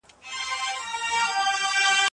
رسول الله له خلکو څخه د ځيني نبيانو قصې اورېدلي وي.